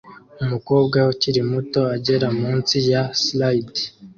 Umukobwa ukiri muto agera munsi ya slide